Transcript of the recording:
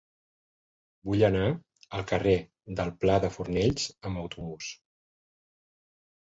Vull anar al carrer del Pla de Fornells amb autobús.